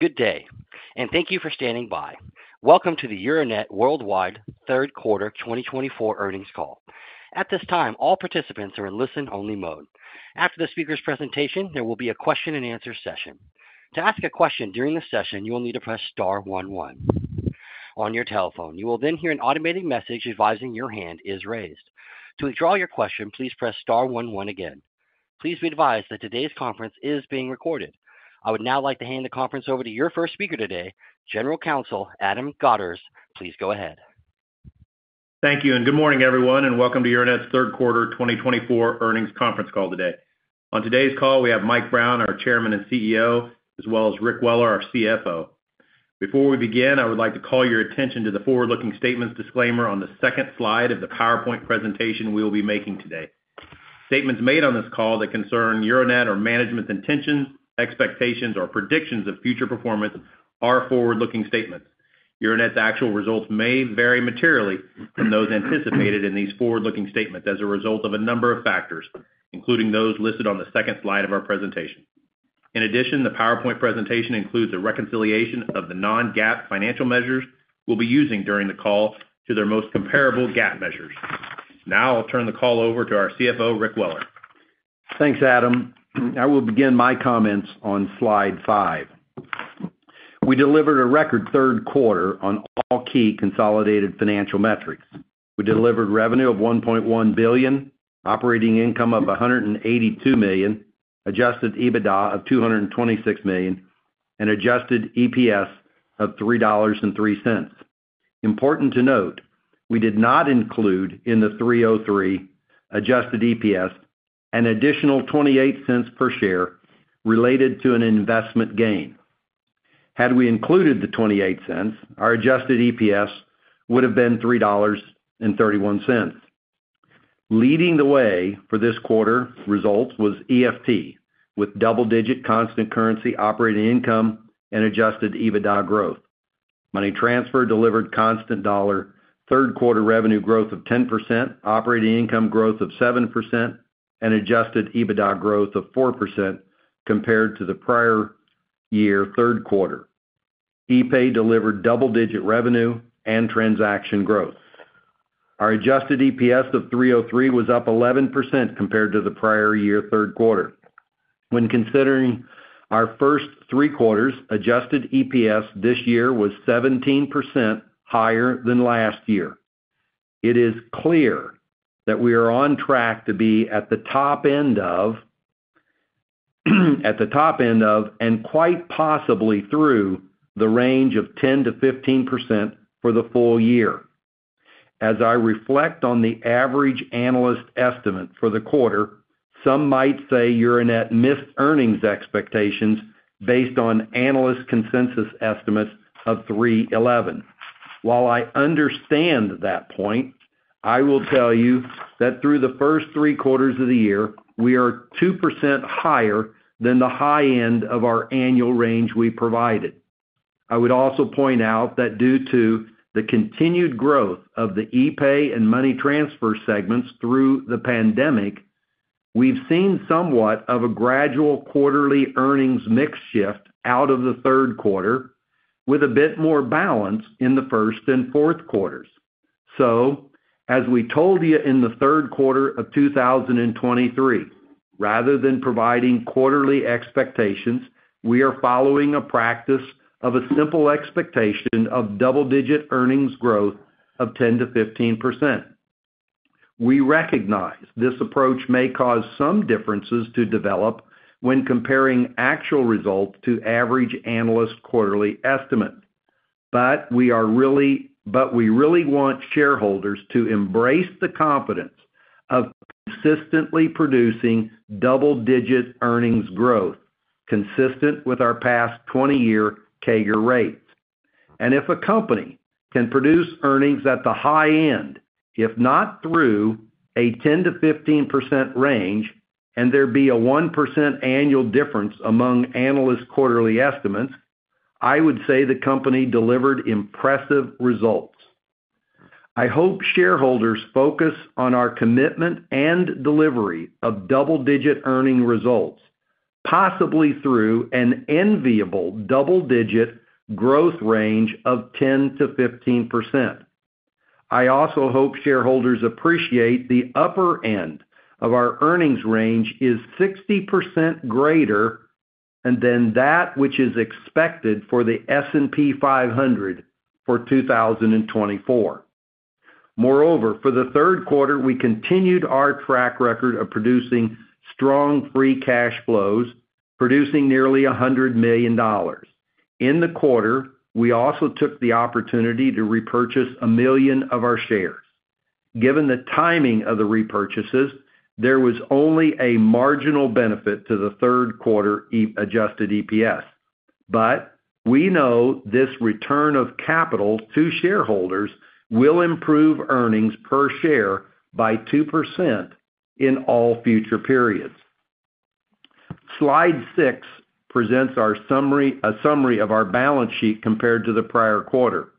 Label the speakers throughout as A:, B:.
A: Good day, and thank you for standing by. Welcome to the Euronet Worldwide Third Quarter 2024 Earnings Call. At this time, all participants are in listen-only mode. After the speaker's presentation, there will be a question-and-answer session. To ask a question during the session, you will need to press star one one on your telephone. You will then hear an automated message advising your hand is raised. To withdraw your question, please press star one one again. Please be advised that today's conference is being recorded. I would now like to hand the conference over to your first speaker today, General Counsel, Adam Godderz. Please go ahead.
B: Thank you, and good morning, everyone, and welcome to Euronet's third quarter 2024 earnings conference call today. On today's call, we have Mike Brown, our Chairman and CEO, as well as Rick Weller, our CFO. Before we begin, I would like to call your attention to the forward-looking statements disclaimer on the second slide of the PowerPoint presentation we will be making today. Statements made on this call that concern Euronet or management's intentions, expectations, or predictions of future performance are forward-looking statements. Euronet's actual results may vary materially from those anticipated in these forward-looking statements as a result of a number of factors, including those listed on the second slide of our presentation. In addition, the PowerPoint presentation includes a reconciliation of the non-GAAP financial measures we'll be using during the call to their most comparable GAAP measures. Now I'll turn the call over to our CFO, Rick Weller.
C: Thanks, Adam. I will begin my comments on slide 5. We delivered a record third quarter on all key consolidated financial metrics. We delivered revenue of $1.1 billion, operating income of $182 million, Adjusted EBITDA of $226 million, and Adjusted EPS of $3.03. Important to note, we did not include in the $3.03 Adjusted EPS an additional $0.28 per share related to an investment gain. Had we included the $0.28, our Adjusted EPS would have been $3.31. Leading the way for this quarter results was EFT, with double-digit constant currency operating income and Adjusted EBITDA growth. Money transfer delivered constant dollar, third quarter revenue growth of 10%, operating income growth of 7%, and Adjusted EBITDA growth of 4% compared to the prior year third quarter. epay delivered double-digit revenue and transaction growth. Our Adjusted EPS of $3.03 was up 11% compared to the prior year third quarter. When considering our first three quarters, Adjusted EPS this year was 17% higher than last year. It is clear that we are on track to be at the top end of and quite possibly through the range of 10%-15% for the full year. As I reflect on the average analyst estimate for the quarter, some might say Euronet missed earnings expectations based on analyst consensus estimates of $3.11. While I understand that point, I will tell you that through the first three quarters of the year, we are 2% higher than the high end of our annual range we provided. I would also point out that due to the continued growth of the epay and Money Transfer segments through the pandemic, we've seen somewhat of a gradual quarterly earnings mix shift out of the third quarter, with a bit more balance in the first and fourth quarters. So as we told you in the third quarter of 2023, rather than providing quarterly expectations, we are following a practice of a simple expectation of double-digit earnings growth of 10%-15%. We recognize this approach may cause some differences to develop when comparing actual results to average analyst quarterly estimate. But we really want shareholders to embrace the confidence of consistently producing double-digit earnings growth, consistent with our past 20-year CAGR rates. If a company can produce earnings at the high end, if not through a 10-15% range, and there be a 1% annual difference among analyst quarterly estimates, I would say the company delivered impressive results. I hope shareholders focus on our commitment and delivery of double-digit earning results, possibly through an enviable double-digit growth range of 10-15%. I also hope shareholders appreciate the upper end of our earnings range is 60% greater than that which is expected for the S&P 500 for 2024. Moreover, for the third quarter, we continued our track record of producing strong free cash flows, producing nearly $100 million. In the quarter, we also took the opportunity to repurchase 1 million of our shares. Given the timing of the repurchases, there was only a marginal benefit to the third quarter Adjusted EPS. But we know this return of capital to shareholders will improve earnings per share by 2% in all future periods. Slide 6 presents our summary, a summary of our balance sheet compared to the prior quarter.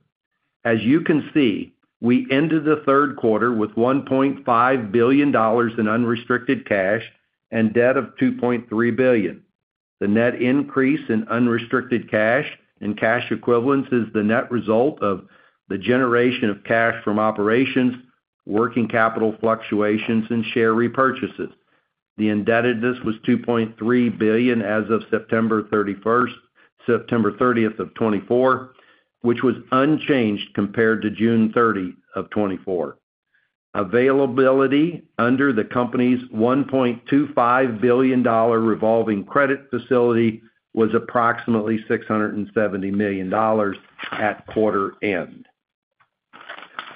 C: As you can see, we ended the third quarter with $1.5 billion in unrestricted cash and debt of $2.3 billion. The net increase in unrestricted cash and cash equivalents is the net result of the generation of cash from operations, working capital fluctuations, and share repurchases. The indebtedness was $2.3 billion as of September 30th of 2024, which was unchanged compared to June 30th of 2024. Availability under the company's $1.25 billion revolving credit facility was approximately $670 million at quarter end.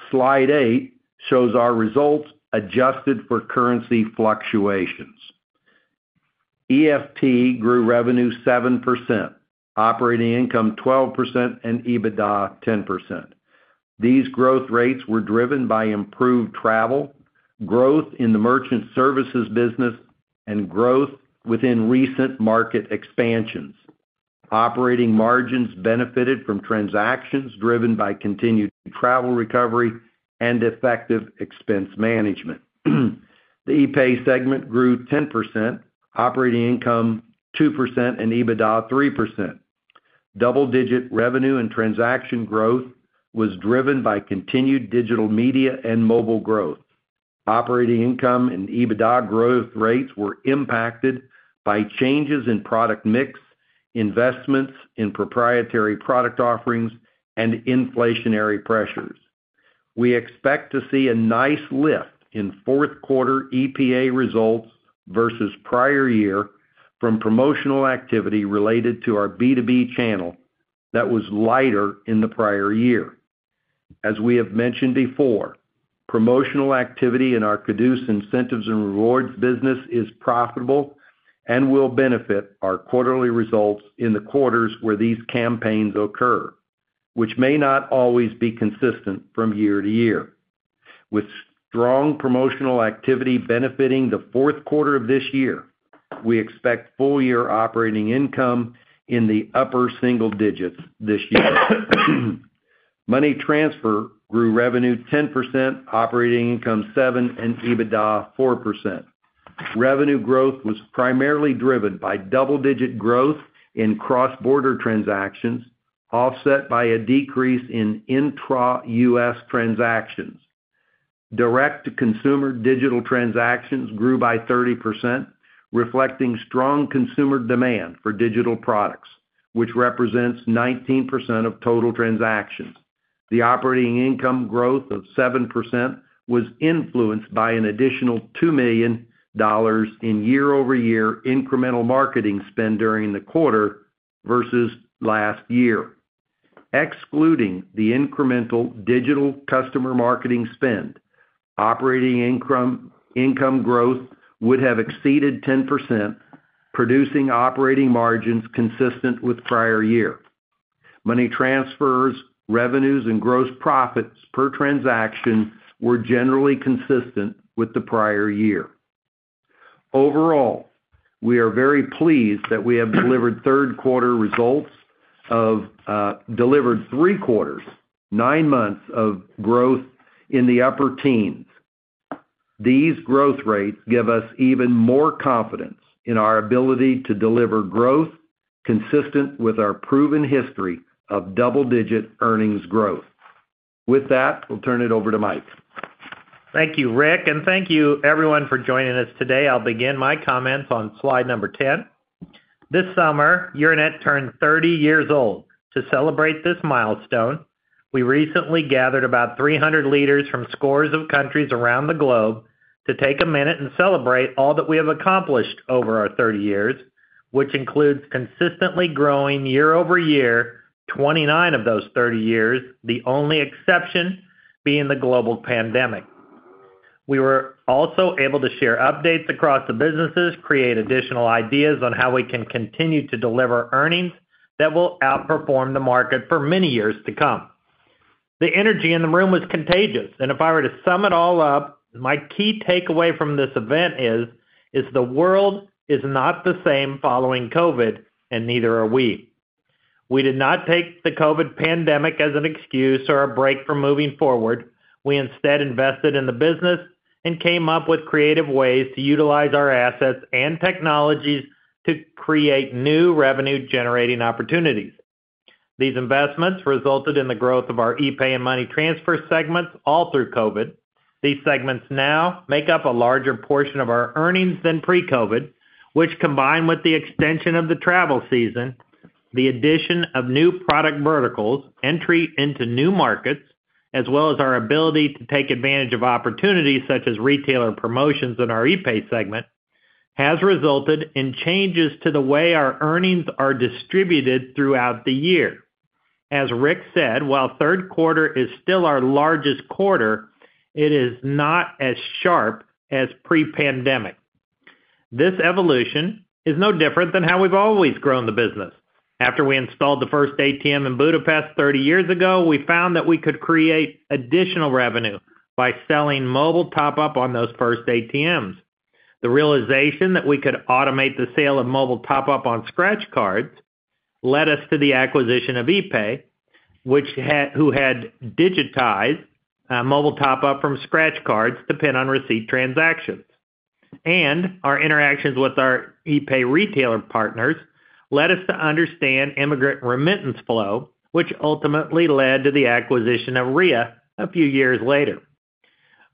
C: Slide 8 shows our results adjusted for currency fluctuations. EFT grew revenue 7%, operating income 12%, and EBITDA 10%. These growth rates were driven by improved travel, growth in the merchant services business, and growth within recent market expansions. Operating margins benefited from transactions driven by continued travel recovery and effective expense management. The epay segment grew 10%, operating income 2%, and EBITDA 3%. Double-digit revenue and transaction growth was driven by continued digital media and mobile growth. Operating income and EBITDA growth rates were impacted by changes in product mix, investments in proprietary product offerings, and inflationary pressures. We expect to see a nice lift in fourth quarter epay results versus prior year from promotional activity related to our B2B channel that was lighter in the prior year. As we have mentioned before, promotional activity in our cadooz Incentives and Rewards business is profitable and will benefit our quarterly results in the quarters where these campaigns occur, which may not always be consistent from year to year. With strong promotional activity benefiting the fourth quarter of this year, we expect full year operating income in the upper single digits this year. Money transfer grew revenue 10%, operating income 7%, and EBITDA 4%. Revenue growth was primarily driven by double-digit growth in cross-border transactions, offset by a decrease in intra-U.S. transactions. Direct-to-consumer digital transactions grew by 30%, reflecting strong consumer demand for digital products, which represents 19% of total transactions. The operating income growth of 7% was influenced by an additional $2 million in year-over-year incremental marketing spend during the quarter versus last year. Excluding the incremental digital customer marketing spend, operating income growth would have exceeded 10%, producing operating margins consistent with prior year. Money transfers, revenues, and gross profits per transaction were generally consistent with the prior year. Overall, we are very pleased that we have delivered third quarter results of delivered three quarters, nine months of growth in the upper teens. These growth rates give us even more confidence in our ability to deliver growth consistent with our proven history of double-digit earnings growth. With that, we'll turn it over to Mike.
D: Thank you, Rick, and thank you everyone for joining us today. I'll begin my comments on slide number 10. This summer, Euronet turned 30 years old. To celebrate this milestone, we recently gathered about 300 leaders from scores of countries around the globe to take a minute and celebrate all that we have accomplished over our 30 years, which includes consistently growing year over year, 29 of those 30 years, the only exception being the global pandemic. We were also able to share updates across the businesses, create additional ideas on how we can continue to deliver earnings that will outperform the market for many years to come. The energy in the room was contagious, and if I were to sum it all up, my key takeaway from this event is the world is not the same following COVID, and neither are we. We did not take the COVID pandemic as an excuse or a break from moving forward. We instead invested in the business and came up with creative ways to utilize our assets and technologies to create new revenue-generating opportunities. These investments resulted in the growth of our epay and money transfer segments, all through COVID. These segments now make up a larger portion of our earnings than pre-COVID, which, combined with the extension of the travel season, the addition of new product verticals, entry into new markets, as well as our ability to take advantage of opportunities such as retailer promotions in our epay segment, has resulted in changes to the way our earnings are distributed throughout the year. As Rick said, while third quarter is still our largest quarter, it is not as sharp as pre-pandemic. This evolution is no different than how we've always grown the business. After we installed the first ATM in Budapest 30 years ago, we found that we could create additional revenue by selling mobile top-up on those first ATMs. The realization that we could automate the sale of mobile top-up on scratch cards led us to the acquisition of epay, which had digitized mobile top-up from scratch cards to pin on receipt transactions. Our interactions with our epay retailer partners led us to understand immigrant remittance flow, which ultimately led to the acquisition of Ria a few years later.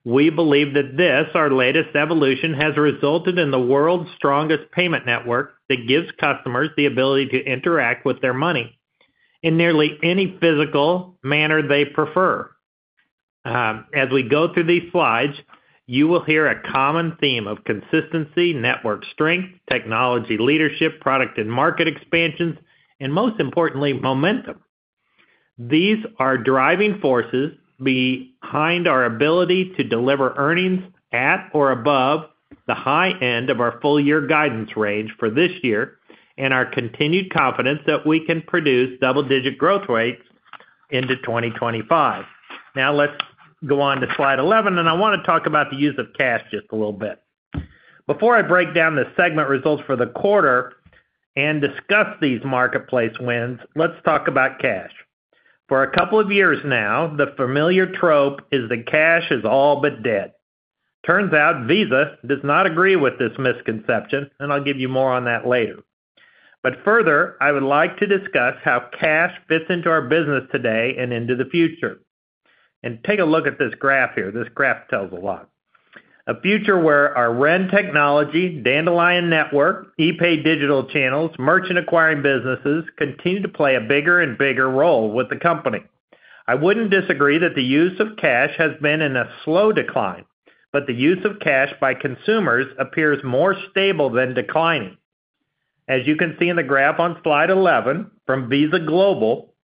D: We believe that this, our latest evolution, has resulted in the world's strongest payment network that gives customers the ability to interact with their money in nearly any physical manner they prefer. As we go through these slides, you will hear a common theme of consistency, network strength, technology leadership, product and market expansions, and most importantly, momentum. These are driving forces behind our ability to deliver earnings at or above the high end of our full year guidance range for this year, and our continued confidence that we can produce double-digit growth rates into 2025. Now, let's go on to slide 11, and I wanna talk about the use of cash just a little bit. Before I break down the segment results for the quarter and discuss these marketplace wins, let's talk about cash. For a couple of years now, the familiar trope is that cash is all but dead. Turns out, Visa does not agree with this misconception, and I'll give you more on that later. But further, I would like to discuss how cash fits into our business today and into the future. And take a look at this graph here. This graph tells a lot. A future where our REN technology, Dandelion network, epay digital channels, merchant acquiring businesses, continue to play a bigger and bigger role with the company. I wouldn't disagree that the use of cash has been in a slow decline, but the use of cash by consumers appears more stable than declining. As you can see in the graph on slide 11 from Visa Global,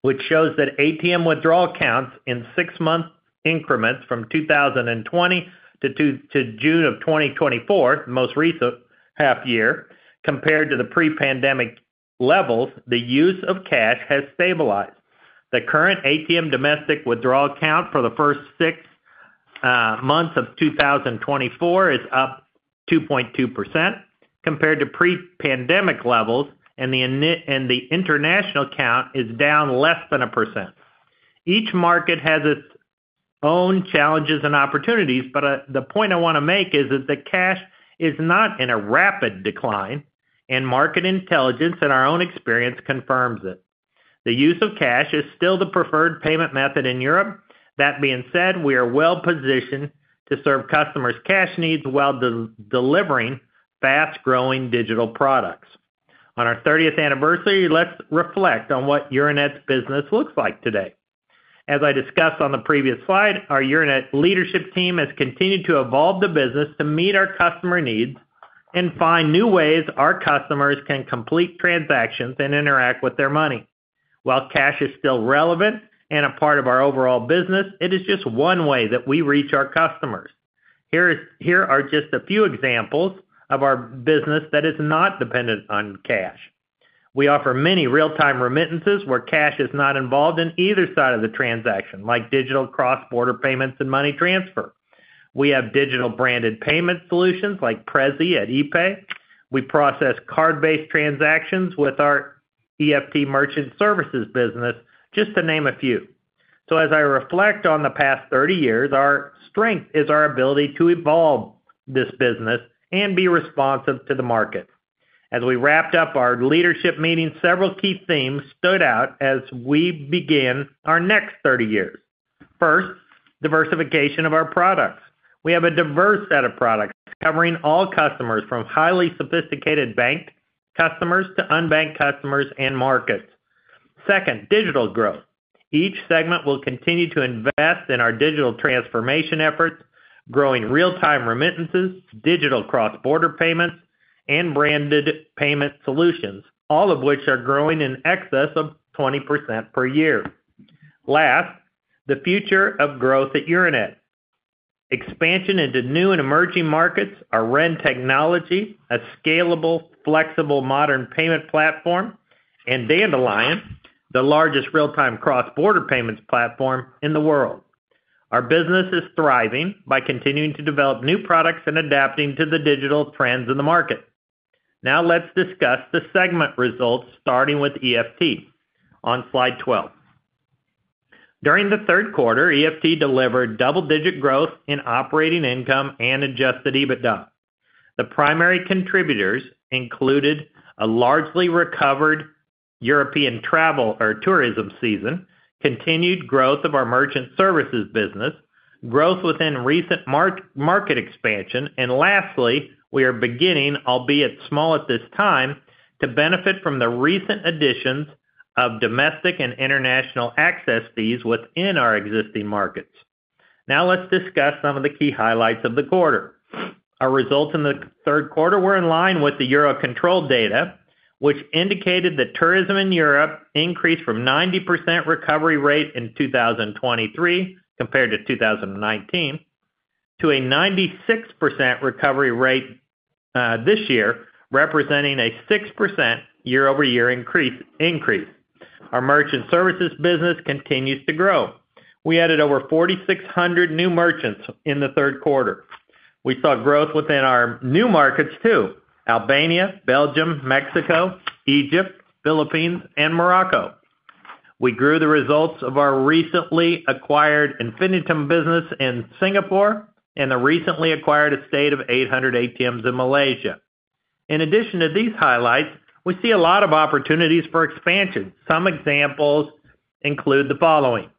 D: which shows that ATM withdrawal counts in six-month increments from 2020 to June of 2024, the most recent half year, compared to the pre-pandemic levels, the use of cash has stabilized. The current ATM domestic withdrawal count for the first six months of 2024 is up 2.2% compared to pre-pandemic levels, and the international count is down less than 1%. Each market has its own challenges and opportunities, but the point I wanna make is that the cash is not in a rapid decline, and market intelligence and our own experience confirms it. The use of cash is still the preferred payment method in Europe. That being said, we are well-positioned to serve customers' cash needs while delivering fast-growing digital products. On our 30th anniversary, let's reflect on what Euronet's business looks like today. As I discussed on the previous slide, our Euronet leadership team has continued to evolve the business to meet our customer needs and find new ways our customers can complete transactions and interact with their money. While cash is still relevant and a part of our overall business, it is just one way that we reach our customers. Here are just a few examples of our business that is not dependent on cash. We offer many real-time remittances where cash is not involved in either side of the transaction, like digital cross-border payments and money transfer. We have digital branded payment solutions like Prezzy at epay. We process card-based transactions with our EFT merchant services business, just to name a few. So as I reflect on the past 30 years, our strength is our ability to evolve this business and be responsive to the market. As we wrapped up our leadership meeting, several key themes stood out as we begin our next 30 years. First, diversification of our products. We have a diverse set of products covering all customers, from highly sophisticated banked customers to unbanked customers and markets. Second, digital growth. Each segment will continue to invest in our digital transformation efforts, growing real-time remittances, digital cross-border payments, and branded payment solutions, all of which are growing in excess of 20% per year. Last, the future of growth at Euronet. Expansion into new and emerging markets, our REN technology, a scalable, flexible, modern payment platform, and Dandelion, the largest real-time cross-border payments platform in the world. Our business is thriving by continuing to develop new products and adapting to the digital trends in the market. Now, let's discuss the segment results, starting with EFT on slide 12. During the third quarter, EFT delivered double-digit growth in operating income and Adjusted EBITDA. The primary contributors included a largely recovered European travel or tourism season, continued growth of our merchant services business, growth within recent market expansion, and lastly, we are beginning, albeit small at this time, to benefit from the recent additions of domestic and international access fees within our existing markets. Now, let's discuss some of the key highlights of the quarter. Our results in the third quarter were in line with the Eurocontrol data, which indicated that tourism in Europe increased from 90% recovery rate in 2023 compared to 2019, to a 96% recovery rate this year, representing a 6% year-over-year increase. Our merchant services business continues to grow. We added over 4,600 new merchants in the third quarter. We saw growth within our new markets, too: Albania, Belgium, Mexico, Egypt, Philippines, and Morocco. We grew the results of our recently acquired Infinitium business in Singapore and the recently acquired estate of 800 ATMs in Malaysia. In addition to these highlights, we see a lot of opportunities for expansion. Some examples include the following: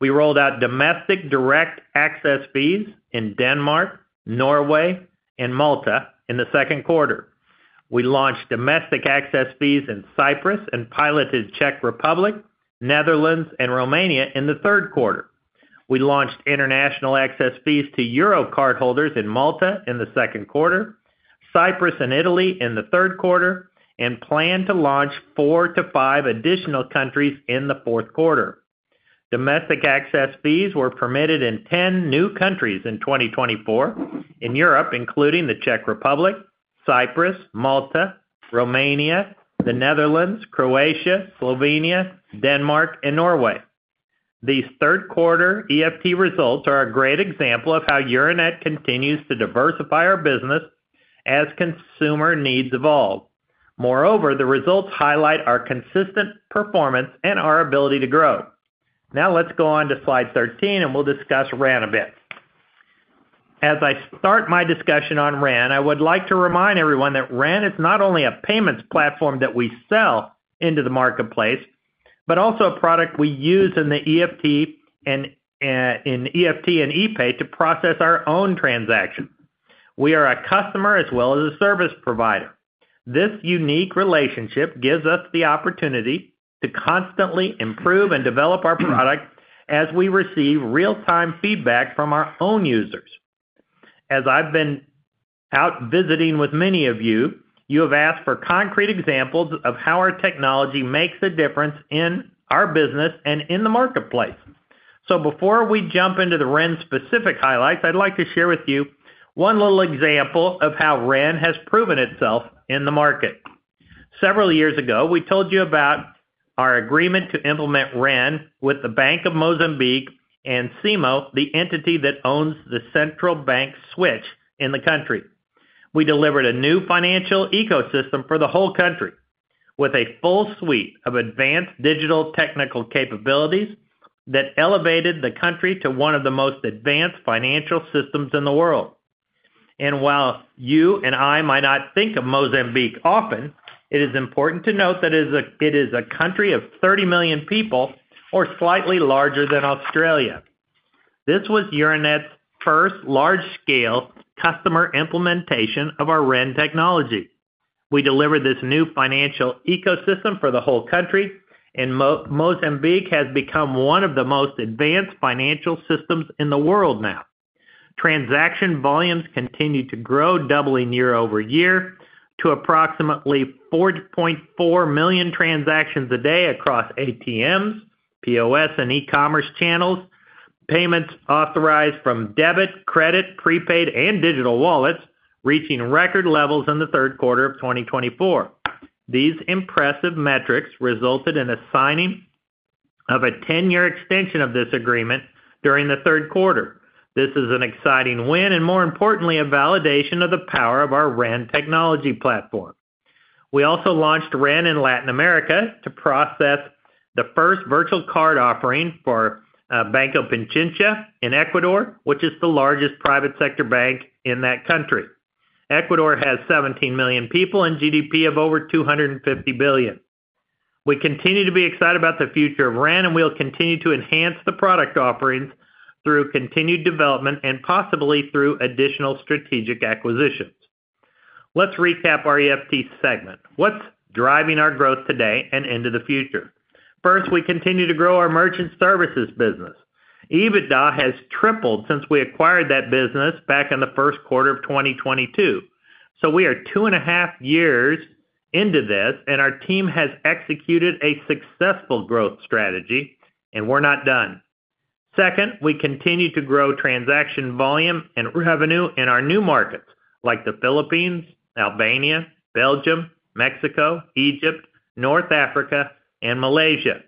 D: We rolled out domestic direct access fees in Denmark, Norway, and Malta in the second quarter. We launched domestic access fees in Cyprus and piloted Czech Republic, Netherlands, and Romania in the third quarter. We launched international access fees to Euro cardholders in Malta in the second quarter, Cyprus and Italy in the third quarter, and plan to launch four to five additional countries in the fourth quarter. Domestic access fees were permitted in 10 new countries in 2024 in Europe, including the Czech Republic, Cyprus, Malta, Romania, the Netherlands, Croatia, Slovenia, Denmark, and Norway. These third quarter EFT results are a great example of how Euronet continues to diversify our business as consumer needs evolve. Moreover, the results highlight our consistent performance and our ability to grow. Now, let's go on to Slide 13, and we'll discuss REN a bit. As I start my discussion on REN, I would like to remind everyone that REN is not only a payments platform that we sell into the marketplace, but also a product we use in the EFT and epay to process our own transactions. We are a customer as well as a service provider. This unique relationship gives us the opportunity to constantly improve and develop our product as we receive real-time feedback from our own users. As I've been out visiting with many of you, you have asked for concrete examples of how our technology makes a difference in our business and in the marketplace. So before we jump into the REN-specific highlights, I'd like to share with you one little example of how REN has proven itself in the market. Several years ago, we told you about our agreement to implement REN with the Bank of Mozambique and SIMO, the entity that owns the central bank switch in the country. We delivered a new financial ecosystem for the whole country, with a full suite of advanced digital technical capabilities that elevated the country to one of the most advanced financial systems in the world. While you and I might not think of Mozambique often, it is important to note that it is a country of 30 million people or slightly larger than Australia. This was Euronet's first large-scale customer implementation of our REN technology. We delivered this new financial ecosystem for the whole country, and Mozambique has become one of the most advanced financial systems in the world now. Transaction volumes continue to grow, doubling year over year to approximately 4.4 million transactions a day across ATMs, POS, and e-commerce channels, payments authorized from debit, credit, prepaid, and digital wallets, reaching record levels in the third quarter of 2024. These impressive metrics resulted in the signing of a ten-year extension of this agreement during the third quarter. This is an exciting win and, more importantly, a validation of the power of our REN technology platform. We also launched REN in Latin America to process the first virtual card offering for Banco Pichincha in Ecuador, which is the largest private sector bank in that country. Ecuador has 17 million people and GDP of over $250 billion. We continue to be excited about the future of REN, and we'll continue to enhance the product offerings through continued development and possibly through additional strategic acquisitions. Let's recap our EFT segment. What's driving our growth today and into the future? First, we continue to grow our merchant services business. EBITDA has tripled since we acquired that business back in the first quarter of 2022, so we are two and a half years into this, and our team has executed a successful growth strategy, and we're not done. Second, we continue to grow transaction volume and revenue in our new markets, like the Philippines, Albania, Belgium, Mexico, Egypt, North Africa, and Malaysia.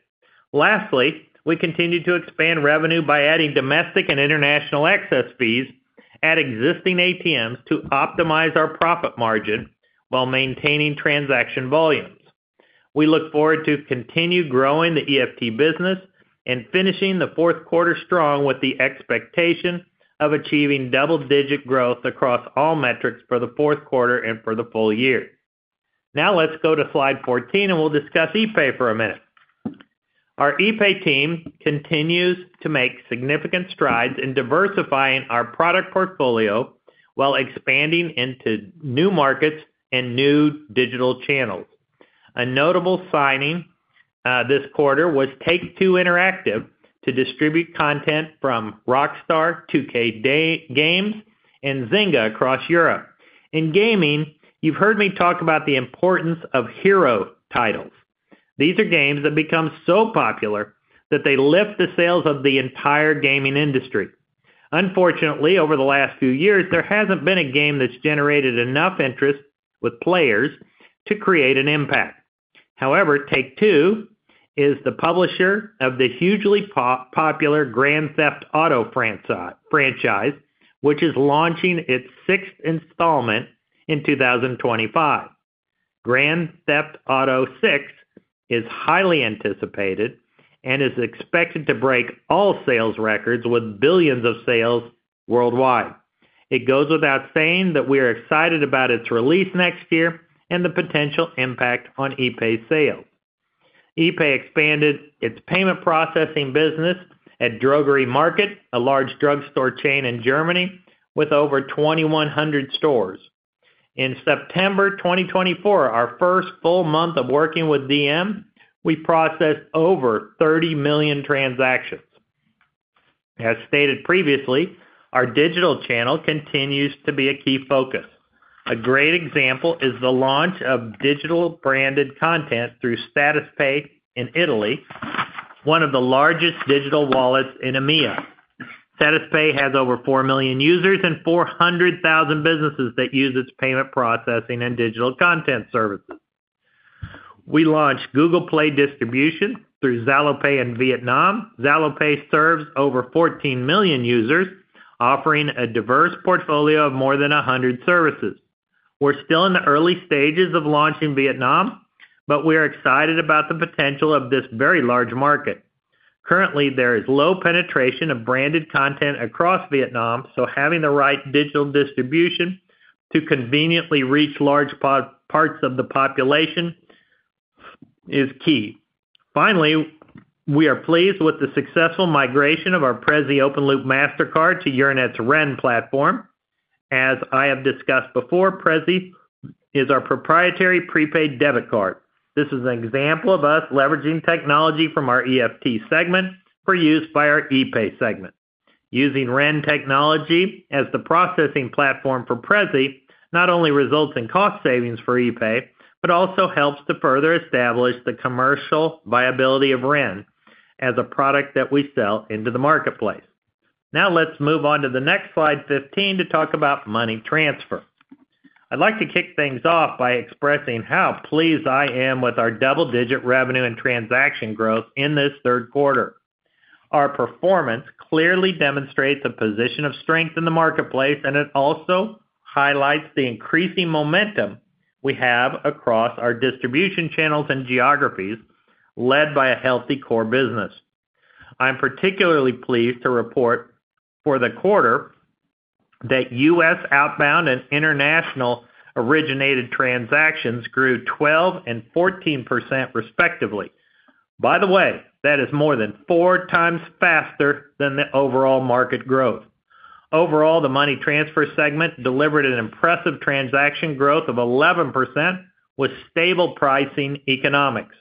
D: Lastly, we continue to expand revenue by adding domestic and international access fees at existing ATMs to optimize our profit margin while maintaining transaction volumes. We look forward to continue growing the EFT business and finishing the fourth quarter strong, with the expectation of achieving double-digit growth across all metrics for the fourth quarter and for the full year. Now, let's go to Slide fourteen, and we'll discuss epay for a minute. Our epay team continues to make significant strides in diversifying our product portfolio while expanding into new markets and new digital channels. A notable signing this quarter was Take-Two Interactive to distribute content from Rockstar, 2K Games, and Zynga across Europe. In gaming, you've heard me talk about the importance of hero titles. These are games that become so popular that they lift the sales of the entire gaming industry. Unfortunately, over the last few years, there hasn't been a game that's generated enough interest with players to create an impact. However, Take-Two is the publisher of the hugely popular Grand Theft Auto franchise, which is launching its sixth installment in 2025. Grand Theft Auto VI is highly anticipated and is expected to break all sales records with billions of sales worldwide. It goes without saying that we are excited about its release next year and the potential impact on epay sales. epay expanded its payment processing business at Drogerie Markt, a large drugstore chain in Germany, with over 2,100 stores. In September 2024, our first full month of working with DM, we processed over 30 million transactions. As stated previously, our digital channel continues to be a key focus. A great example is the launch of digital branded content through Satispay in Italy, one of the largest digital wallets in EMEA. Satispay has over four million users and four hundred thousand businesses that use its payment processing and digital content services. We launched Google Play distribution through ZaloPay in Vietnam. ZaloPay serves over 14 million users, offering a diverse portfolio of more than a hundred services. We're still in the early stages of launch in Vietnam, but we are excited about the potential of this very large market. Currently, there is low penetration of branded content across Vietnam, so having the right digital distribution to conveniently reach large parts of the population is key. Finally, we are pleased with the successful migration of our Prezzy open loop Mastercard to Euronet's REN platform. As I have discussed before, Prezzy is our proprietary prepaid debit card. This is an example of us leveraging technology from our EFT segment for use by our epay segment. Using REN technology as the processing platform for Prezzy not only results in cost savings for epay, but also helps to further establish the commercial viability of REN as a product that we sell into the marketplace. Now, let's move on to the next slide 15, to talk about money transfer. I'd like to kick things off by expressing how pleased I am with our double-digit revenue and transaction growth in this third quarter. Our performance clearly demonstrates a position of strength in the marketplace, and it also highlights the increasing momentum we have across our distribution channels and geographies, led by a healthy core business. I'm particularly pleased to report for the quarter that U.S. outbound and international-originated transactions grew 12 and 14%, respectively. By the way, that is more than 4 times faster than the overall market growth. Overall, the money transfer segment delivered an impressive transaction growth of 11% with stable pricing economics.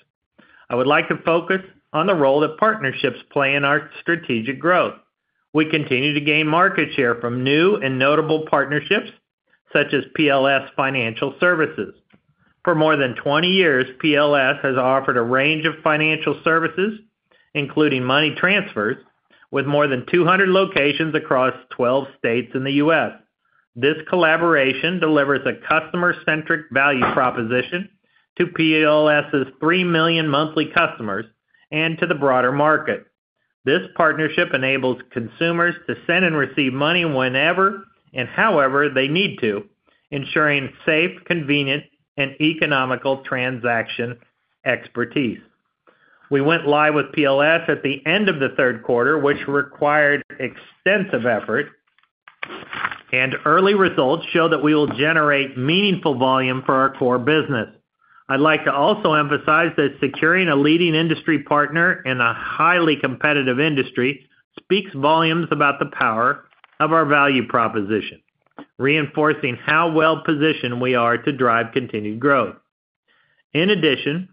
D: I would like to focus on the role that partnerships play in our strategic growth. We continue to gain market share from new and notable partnerships, such as PLS Financial Services. For more than 20 years, PLS has offered a range of financial services, including money transfers, with more than 200 locations across 12 states in the U.S. This collaboration delivers a customer-centric value proposition to PLS's three million monthly customers and to the broader market. This partnership enables consumers to send and receive money whenever and however they need to, ensuring safe, convenient, and economical transaction expertise. We went live with PLS at the end of the third quarter, which required extensive effort, and early results show that we will generate meaningful volume for our core business. I'd like to also emphasize that securing a leading industry partner in a highly competitive industry speaks volumes about the power of our value proposition, reinforcing how well-positioned we are to drive continued growth. In addition,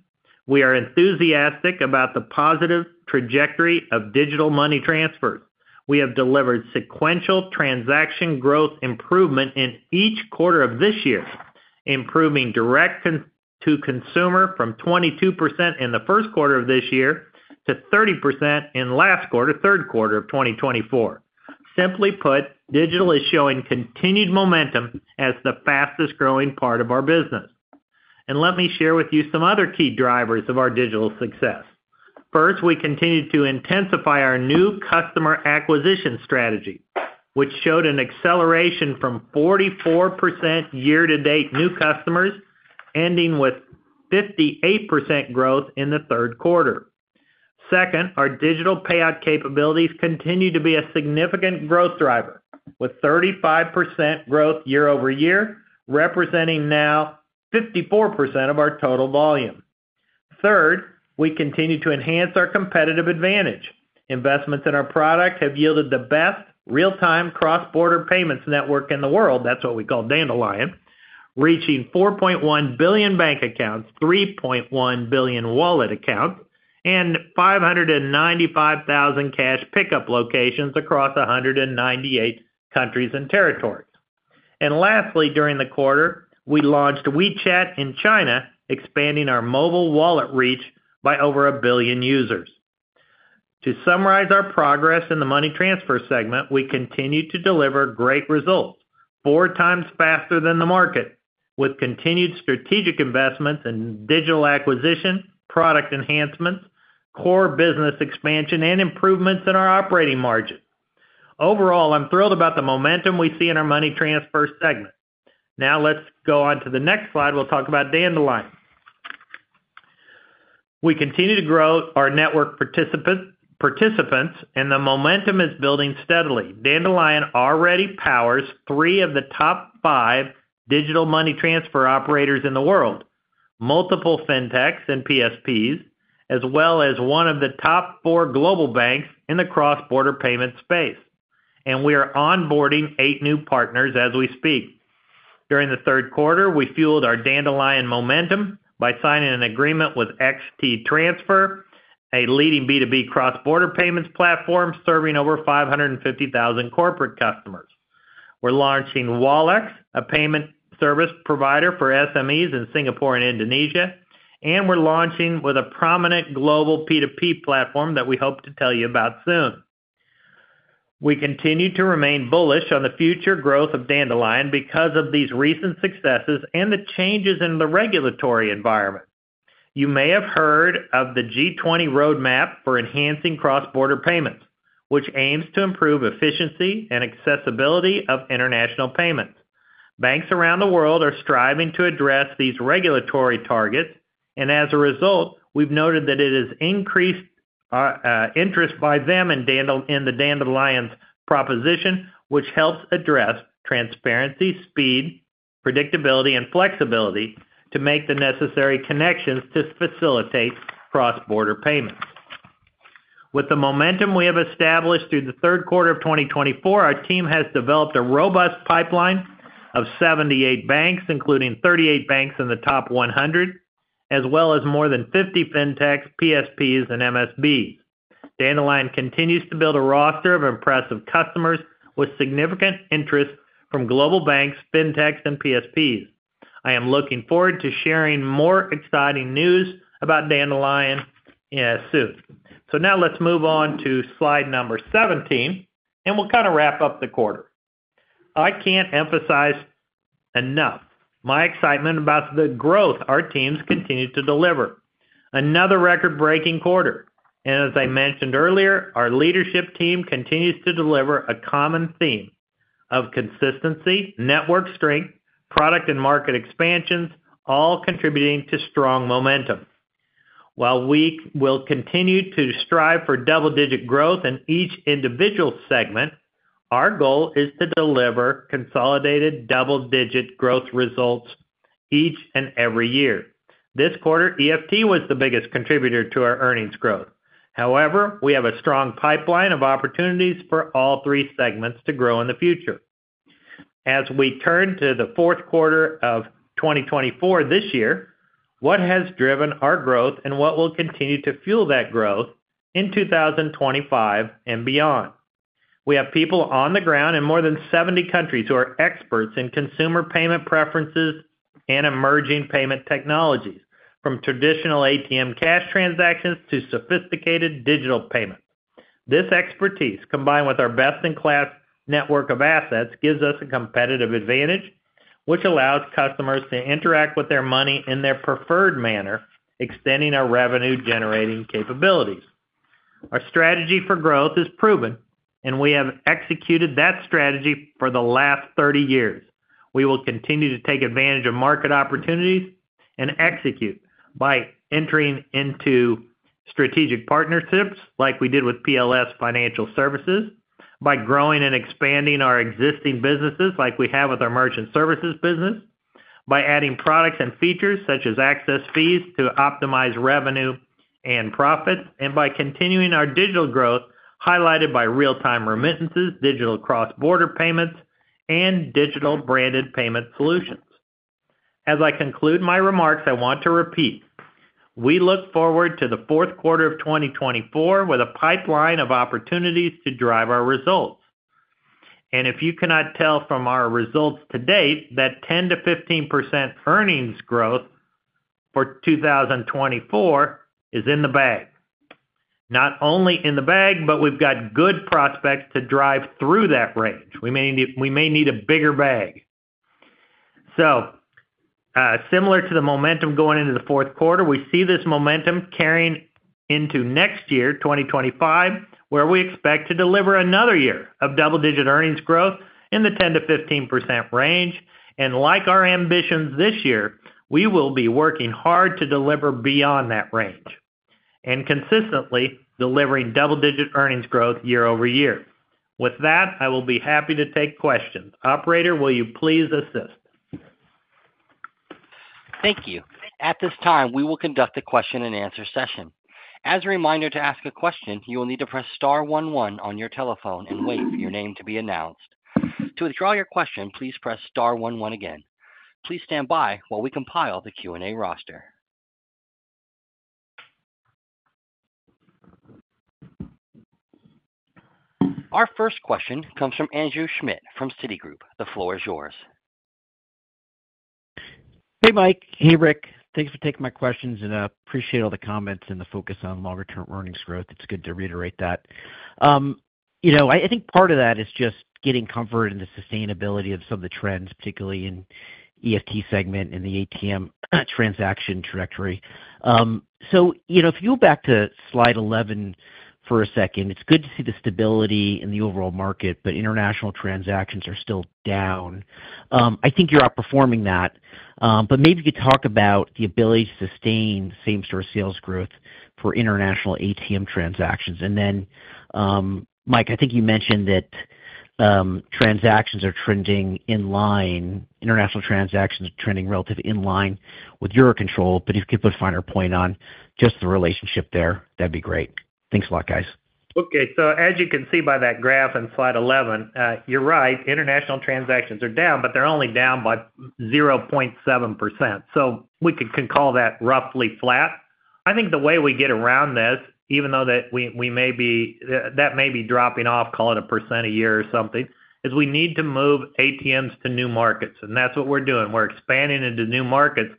D: we are enthusiastic about the positive trajectory of digital money transfers. We have delivered sequential transaction growth improvement in each quarter of this year, improving direct-to-consumer from 22% in the first quarter of this year to 30% in last quarter, third quarter of 2024. Simply put, digital is showing continued momentum as the fastest-growing part of our business. Let me share with you some other key drivers of our digital success. First, we continued to intensify our new customer acquisition strategy, which showed an acceleration from 44% year-to-date new customers, ending with 58% growth in the third quarter. Second, our digital payout capabilities continue to be a significant growth driver, with 35% growth year over year, representing now 54% of our total volume. Third, we continue to enhance our competitive advantage. Investments in our product have yielded the best real-time cross-border payments network in the world, that's what we call Dandelion, reaching 4.1 billion bank accounts, 3.1 billion wallet accounts, and 595,000 cash pickup locations across 198 countries and territories.... and lastly, during the quarter, we launched WeChat in China, expanding our mobile wallet reach by over 1 billion users. To summarize our progress in the money transfer segment, we continued to deliver great results, four times faster than the market, with continued strategic investments in digital acquisition, product enhancements, core business expansion, and improvements in our operating margin. Overall, I'm thrilled about the momentum we see in our money transfer segment. Now let's go on to the next slide. We'll talk about Dandelion. We continue to grow our network participants, and the momentum is building steadily. Dandelion already powers three of the top five digital money transfer operators in the world, multiple Fintechs and PSPs, as well as one of the top four global banks in the cross-border payment space, and we are onboarding eight new partners as we speak. During the third quarter, we fueled our Dandelion momentum by signing an agreement with XTransfer, a leading B2B cross-border payments platform serving over five hundred and fifty thousand corporate customers. We're launching Wallex, a payment service provider for SMEs in Singapore and Indonesia, and we're launching with a prominent global P2P platform that we hope to tell you about soon. We continue to remain bullish on the future growth of Dandelion because of these recent successes and the changes in the regulatory environment. You may have heard of the G20 roadmap for enhancing cross-border payments, which aims to improve efficiency and accessibility of international payments. Banks around the world are striving to address these regulatory targets, and as a result, we've noted that it has increased interest by them in Dandelion's proposition, which helps address transparency, speed, predictability, and flexibility to make the necessary connections to facilitate cross-border payments. With the momentum we have established through the third quarter of 2024, our team has developed a robust pipeline of 78 banks, including 38 banks in the top 100, as well as more than 50 Fintechs, PSPs, and MSBs. Dandelion continues to build a roster of impressive customers with significant interest from global banks, Fintechs, and PSPs. I am looking forward to sharing more exciting news about Dandelion soon. Now let's move on to slide number 17, and we'll kind of wrap up the quarter. I can't emphasize enough my excitement about the growth our teams continue to deliver. Another record-breaking quarter, and as I mentioned earlier, our leadership team continues to deliver a common theme of consistency, network strength, product and market expansions, all contributing to strong momentum. While we will continue to strive for double-digit growth in each individual segment, our goal is to deliver consolidated double-digit growth results each and every year. This quarter, EFT was the biggest contributor to our earnings growth. However, we have a strong pipeline of opportunities for all three segments to grow in the future. As we turn to the fourth quarter of 2024 this year, what has driven our growth and what will continue to fuel that growth in 2025 and beyond? We have people on the ground in more than 70 countries who are experts in consumer payment preferences and emerging payment technologies, from traditional ATM cash transactions to sophisticated digital payments. This expertise, combined with our best-in-class network of assets, gives us a competitive advantage, which allows customers to interact with their money in their preferred manner, extending our revenue-generating capabilities. Our strategy for growth is proven, and we have executed that strategy for the last 30 years. We will continue to take advantage of market opportunities and execute by entering into strategic partnerships, like we did with PLS Financial Services, by growing and expanding our existing businesses, like we have with our merchant services business, by adding products and features such as access fees to optimize revenue and profit, and by continuing our digital growth, highlighted by real-time remittances, digital cross-border payments, and digital branded payment solutions. As I conclude my remarks, I want to repeat, we look forward to the fourth quarter of 2024 with a pipeline of opportunities to drive our results, and if you cannot tell from our results to date, that 10%-15% earnings growth for 2024 is in the bag. Not only in the bag, but we've got good prospects to drive through that range. We may need, we may need a bigger bag, so similar to the momentum going into the fourth quarter, we see this momentum carrying into next year, 2025, where we expect to deliver another year of double-digit earnings growth in the 10%-15% range, and like our ambitions this year, we will be working hard to deliver beyond that range and consistently delivering double-digit earnings growth year over year. With that, I will be happy to take questions. Operator, will you please assist?
A: Thank you. At this time, we will conduct a question-and-answer session. As a reminder, to ask a question, you will need to press star one one on your telephone and wait for your name to be announced. To withdraw your question, please press star one one again. Please stand by while we compile the Q&A roster. Our first question comes from Andrew Schmidt from Citigroup. The floor is yours.
E: Hey, Mike. Hey, Rick. Thanks for taking my questions, and I appreciate all the comments and the focus on longer-term earnings growth. It's good to reiterate that. You know, I think part of that is just getting comfort in the sustainability of some of the trends, particularly in EFT segment and the ATM transaction trajectory. So, you know, if you go back to slide 11 for a second, it's good to see the stability in the overall market, but international transactions are still down. I think you're outperforming that, but maybe you could talk about the ability to sustain same store sales growth for international ATM transactions. Mike, I think you mentioned that transactions are trending in line, international transactions are trending relatively in line with your control, but if you could put a finer point on just the relationship there, that'd be great. Thanks a lot, guys.
D: Okay. So as you can see by that graph on slide 11, you're right, international transactions are down, but they're only down by minus 0.7%. So we can call that roughly flat. I think the way we get around this, even though that may be dropping off, call it 1% a year or something, is we need to move ATMs to new markets, and that's what we're doing. We're expanding into new markets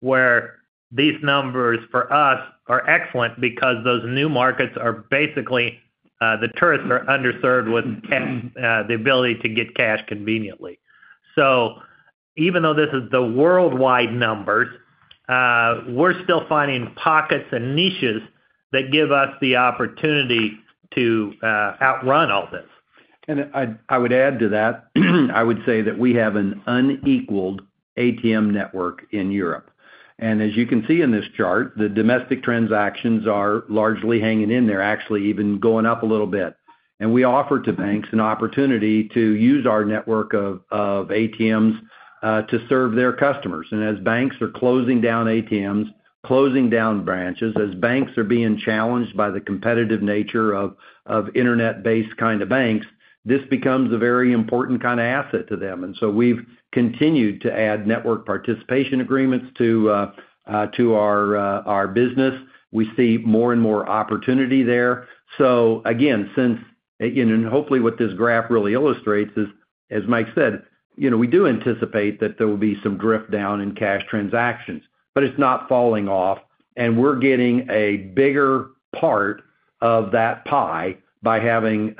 D: where these numbers for us are excellent because those new markets are basically the tourists are underserved with cash, the ability to get cash conveniently. So even though this is the worldwide numbers, we're still finding pockets and niches that give us the opportunity to outrun all this.
C: And I would add to that, I would say that we have an unequaled ATM network in Europe. And as you can see in this chart, the domestic transactions are largely hanging in there, actually even going up a little bit. And we offer to banks an opportunity to use our network of ATMs to serve their customers. And as banks are closing down ATMs, closing down branches, as banks are being challenged by the competitive nature of internet-based kind of banks, this becomes a very important kind of asset to them. And so we've continued to add network participation agreements to our business. We see more and more opportunity there. Again, hopefully, what this graph really illustrates is, as Mike said, you know, we do anticipate that there will be some drift down in cash transactions, but it's not falling off, and we're getting a bigger part of that pie by having,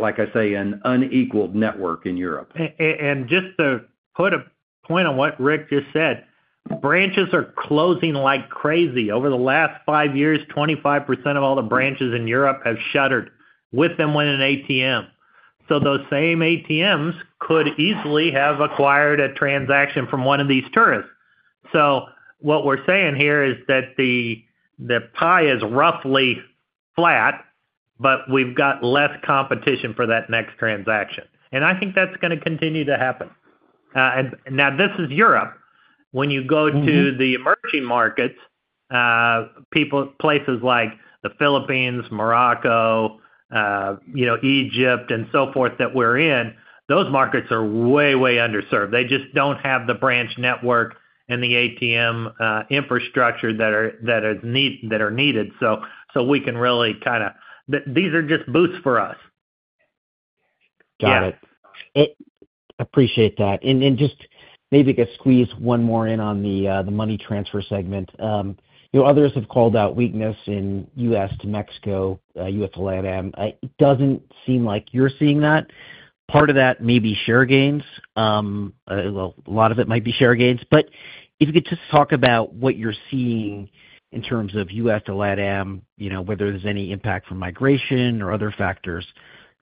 C: like I say, an unequaled network in Europe.
D: And just to put a point on what Rick just said, branches are closing like crazy. Over the last five years, 25% of all the branches in Europe have shuttered, with them went an ATM. So those same ATMs could easily have acquired a transaction from one of these tourists. So what we're saying here is that the pie is roughly flat, but we've got less competition for that next transaction, and I think that's going to continue to happen. And now this is Europe. When you go to the emerging markets, people places like the Philippines, Morocco, you know, Egypt and so forth, that we're in, those markets are way, way underserved. They just don't have the branch network and the ATM infrastructure that are needed. So we can really kind of... These are just boosts for us.
E: Got it.
D: Yeah.
E: I appreciate that. And just maybe could squeeze one more in on the money transfer segment. You know, others have called out weakness in U.S. to Mexico, U.S. to LatAm. It doesn't seem like you're seeing that. Part of that may be share gains. Well, a lot of it might be share gains, but if you could just talk about what you're seeing in terms of U.S. to LatAm, you know, whether there's any impact from migration or other factors,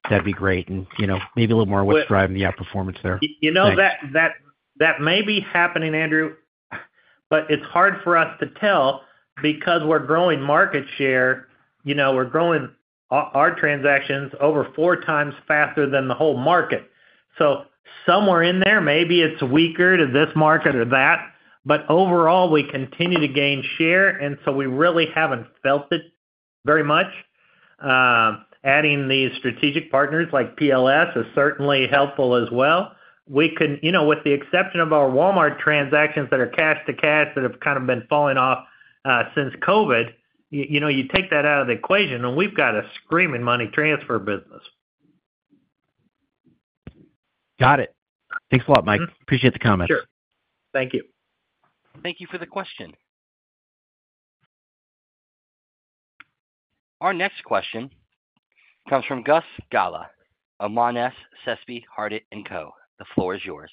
E: that'd be great. And you know, maybe a little more what's driving the outperformance there.
D: You know that may be happening, Andrew, but it's hard for us to tell because we're growing market share. You know, we're growing our transactions over four times faster than the whole market. So somewhere in there, maybe it's weaker to this market or that, but overall, we continue to gain share, and so we really haven't felt it very much. Adding these strategic partners like PLS is certainly helpful as well. We can... You know, with the exception of our Walmart transactions that are cash to cash, that have kind of been falling off, since COVID, you know, you take that out of the equation, and we've got a screaming money transfer business.
E: Got it. Thanks a lot, Mike.
D: Mm-hmm.
E: Appreciate the comment.
D: Sure. Thank you.
A: Thank you for the question. Our next question comes from Gus Gala of Monness, Crespi, Hardt & Co. The floor is yours.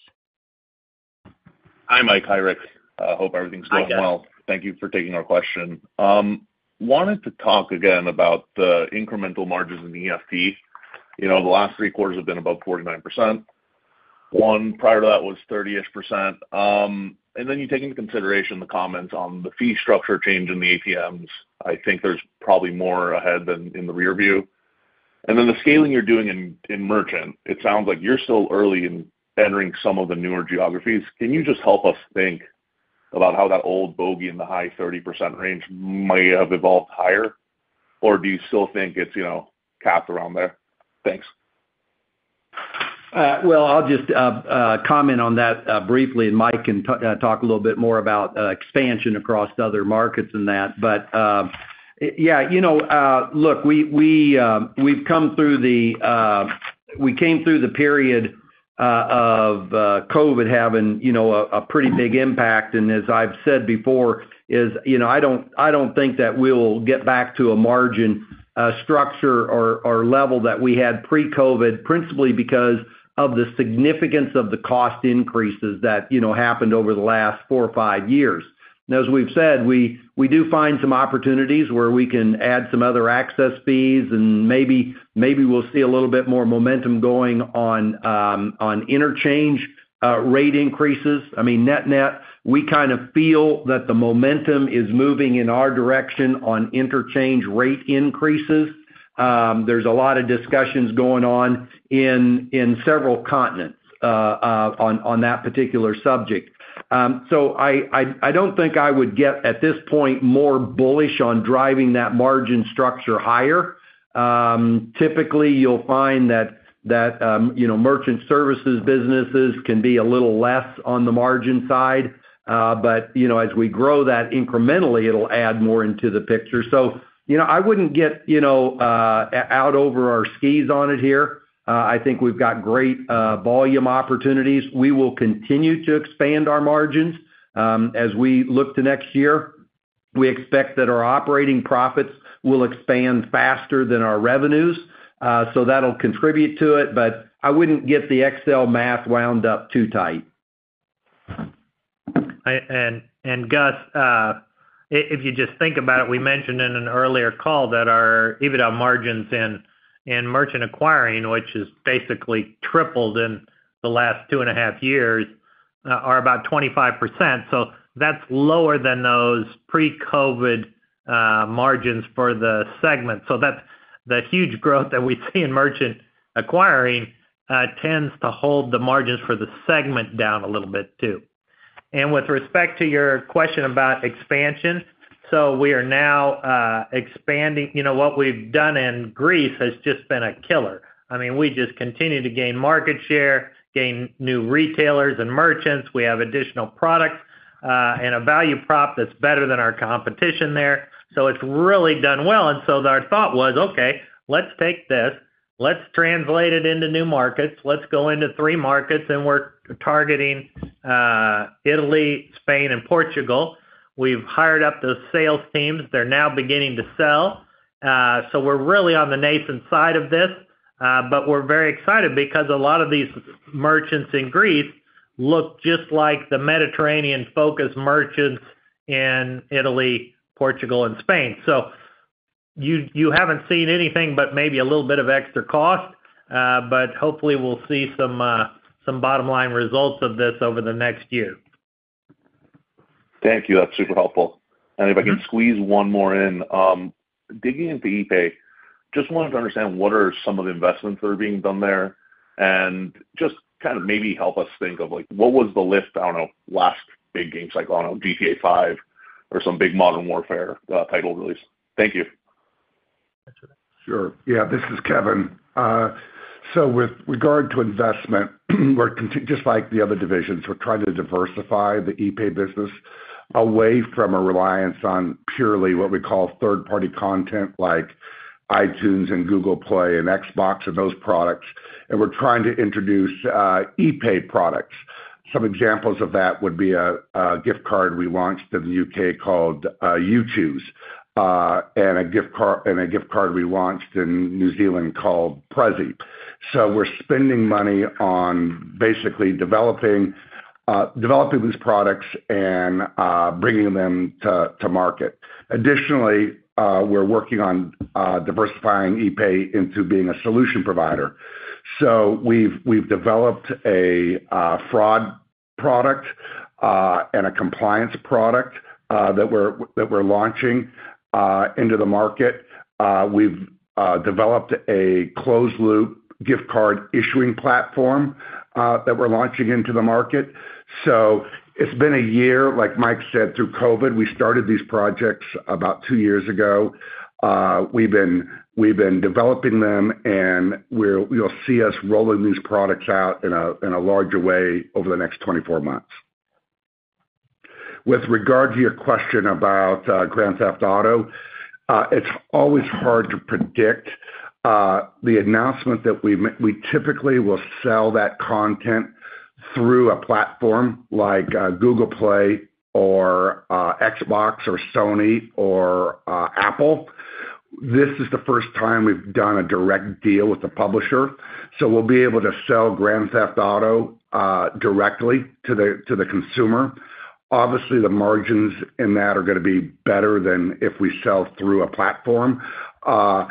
F: Hi, Mike. Hi, Rick. I hope everything's going well.
A: Hi, Gus.
F: Thank you for taking our question. Wanted to talk again about the incremental margins in the EFT. You know, the last three quarters have been above 49%. The one prior to that was thirty-ish %. And then you take into consideration the comments on the fee structure change in the ATMs. I think there's probably more ahead than in the rearview. And then the scaling you're doing in merchant, it sounds like you're still early in entering some of the newer geographies. Can you just help us think about how that old bogey in the high 30% range may have evolved higher? Or do you still think it's, you know, capped around there? Thanks....
C: Well, I'll just comment on that briefly, and Mike can talk a little bit more about expansion across other markets than that. But, yeah, you know, look, we've come through the period of COVID having a pretty big impact. And as I've said before, you know, I don't think that we'll get back to a margin structure or level that we had pre-COVID, principally because of the significance of the cost increases that happened over the last four or five years. And as we've said, we do find some opportunities where we can add some other access fees, and maybe we'll see a little bit more momentum going on on interchange rate increases. I mean, net-net, we kind of feel that the momentum is moving in our direction on interchange rate increases. There's a lot of discussions going on in several continents on that particular subject. So I don't think I would get, at this point, more bullish on driving that margin structure higher. Typically, you'll find that you know, merchant services businesses can be a little less on the margin side. But, you know, as we grow that incrementally, it'll add more into the picture. So, you know, I wouldn't get, you know, out over our skis on it here. I think we've got great volume opportunities. We will continue to expand our margins. As we look to next year, we expect that our operating profits will expand faster than our revenues, so that'll contribute to it, but I wouldn't get the Excel math wound up too tight.
D: Gus, if you just think about it, we mentioned in an earlier call that our EBITDA margins in merchant acquiring, which has basically tripled in the last two and a half years, are about 25%. So that's lower than those pre-COVID margins for the segment. So that's the huge growth that we see in merchant acquiring tends to hold the margins for the segment down a little bit, too. With respect to your question about expansion, we are now expanding. You know, what we've done in Greece has just been a killer. I mean, we just continue to gain market share, gain new retailers and merchants. We have additional products and a value prop that's better than our competition there. So it's really done well. And so our thought was, okay, let's take this, let's translate it into new markets. Let's go into three markets, and we're targeting Italy, Spain, and Portugal. We've hired up those sales teams. They're now beginning to sell. So we're really on the nascent side of this, but we're very excited because a lot of these merchants in Greece look just like the Mediterranean-focused merchants in Italy, Portugal, and Spain. So you haven't seen anything but maybe a little bit of extra cost, but hopefully, we'll see some bottom-line results of this over the next year.
F: Thank you. That's super helpful. And if I can squeeze one more in, digging into epay, just wanted to understand what are some of the investments that are being done there? And just kind of maybe help us think of, like, what was the lift, I don't know, last big game cycle, I don't know, GTA V or some big Modern Warfare, title release? Thank you.
G: Sure. Yeah, this is Kevin. So with regard to investment, we're just like the other divisions, we're trying to diversify the epay business away from a reliance on purely what we call third-party content, like iTunes and Google Play and Xbox and those products, and we're trying to introduce epay products. Some examples of that would be a gift card we launched in the UK called YouChoose, and a gift card we launched in New Zealand called Prezzy. So we're spending money on basically developing these products and bringing them to market. Additionally, we're working on diversifying epay into being a solution provider. So we've developed a fraud product and a compliance product that we're launching into the market. We've developed a closed-loop gift card issuing platform that we're launching into the market, so it's been a year, like Mike said, through COVID. We started these projects about two years ago. We've been developing them, and we're. You'll see us rolling these products out in a larger way over the next 24 months. With regard to your question about Grand Theft Auto, it's always hard to predict the announcement. We typically will sell that content through a platform like Google Play or Xbox or Sony or Apple. This is the first time we've done a direct deal with the publisher, so we'll be able to sell Grand Theft Auto directly to the consumer. Obviously, the margins in that are gonna be better than if we sell through a platform. At